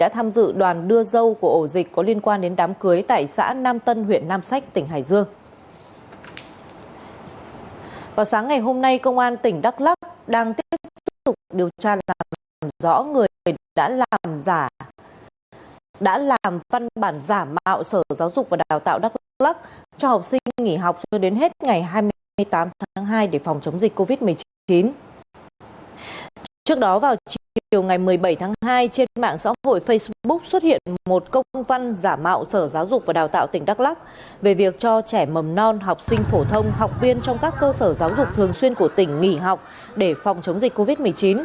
trong ngày hai mươi tám tháng hai trên mạng xã hội facebook xuất hiện một công văn giả mạo sở giáo dục và đào tạo tỉnh đắk lắk về việc cho trẻ mầm non học sinh phổ thông học viên trong các cơ sở giáo dục thường xuyên của tỉnh nghỉ học để phòng chống dịch covid một mươi chín